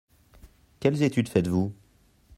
Quelles études faites-vous ?